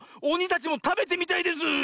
おにたちもたべてみたいです！